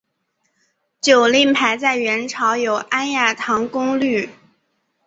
酒令牌在元朝有安雅堂觥律。